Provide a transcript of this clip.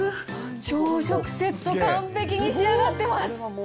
朝食セット完璧に仕上がっています。